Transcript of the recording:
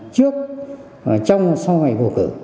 trước trong sau ngày bầu cử